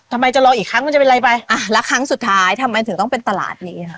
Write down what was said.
ทำไมจะรออีกครั้งมันจะเป็นไรไปอ่ะแล้วครั้งสุดท้ายทำไมถึงต้องเป็นตลาดนี้ค่ะ